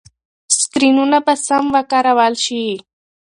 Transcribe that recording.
سکرینونه به سم وکارول شي.